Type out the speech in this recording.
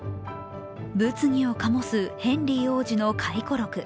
物議を醸すヘンリー王子の回顧録。